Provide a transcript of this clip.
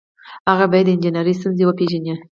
هغه باید د انجنیری ستونزې وپيژني.